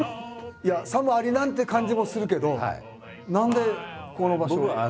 いやさもありなんって感じもするけど何でここの場所に？